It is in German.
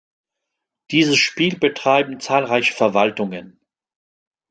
Dieses Spiel betreiben zahlreiche Verwaltungen.